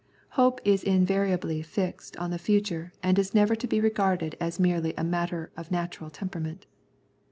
Hope is invariably fixed on the future and is never to be regarded as merely a matter of natural temperament.